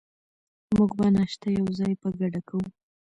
موږ به ناشته یوځای په ګډه کوو.